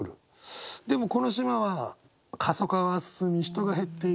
でもこの島は過疎化が進み人が減っていく。